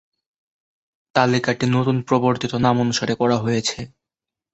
তালিকাটি নতুন প্রবর্তিত নাম অনুসারে করা হয়েছে।